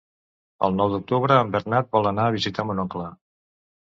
El nou d'octubre en Bernat vol anar a visitar mon oncle.